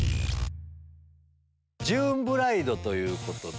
ジューンブライドということで。